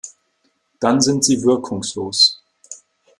Dann sind sie wirkungslos.